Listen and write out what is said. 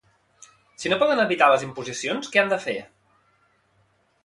Si no poden evitar les imposicions, què han de fer?